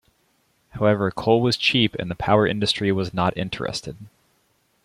However coal was cheap and the power industry was not interested.